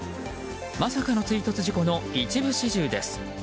まさかの追突事故の一部始終です。